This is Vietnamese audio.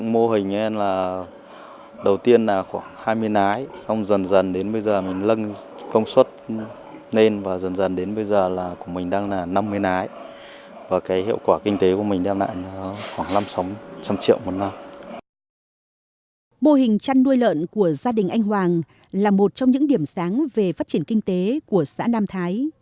mô hình chăn nuôi lợn của gia đình anh hoàng là một trong những điểm sáng về phát triển kinh tế của xã nam thái